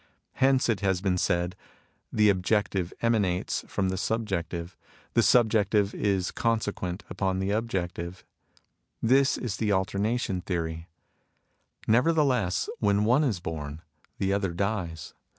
Hence it has been said, * The objective emanates from the subjective ; the subjective is conse quent upon the objective. This is the Alter nation Theory.' Nevertheless; when one is born, the other dies.